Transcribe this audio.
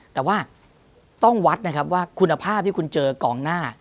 แต่ว่าต้องวัดนะครับว่าคุณภาพที่คุณเจอกองหน้า